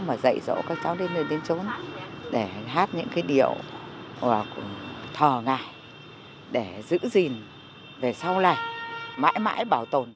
mà dạy dỗ các cháu đến chỗ để hát những cái điệu thò ngại để giữ gìn để sau này mãi mãi bảo tồn